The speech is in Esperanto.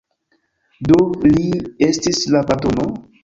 Do li estis la patrono?